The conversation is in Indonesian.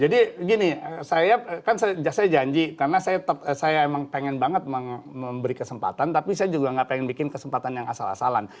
jadi gini saya kan saya janji karena saya emang pengen banget memberi kesempatan tapi saya juga gak pengen bikin kesempatan yang asal asalan